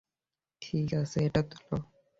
ঠিক আছে, এটা তুলো।